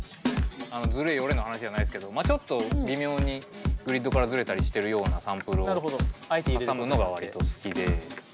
ズレヨレの話じゃないですけどちょっと微妙にグリッドからズレたりしてるようなサンプルを挟むのが割と好きで。